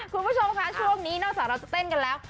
คุณผู้ชมค่ะช่วงนี้นอกจากเราจะเต้นกันแล้ว